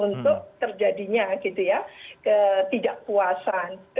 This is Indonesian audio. itu terjadinya ketidakpuasan